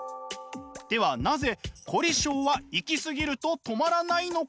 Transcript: ではなぜ凝り性は行き過ぎると止まらないのか？